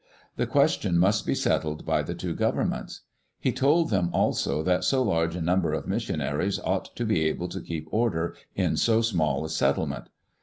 The question must be settled by the two governments. He told them also that so large a number of missionaries ought to be able to keep order in so small a settlement.